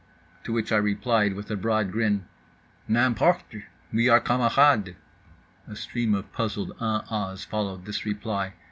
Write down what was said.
—(To which I replied with a broad grin) "N'importe, we are camarades." A stream of puzzled uh ahs followed this reply.